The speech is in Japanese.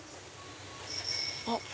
あっ！